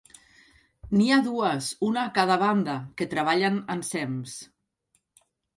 N'hi ha dues, una a cada banda, que treballen ensems.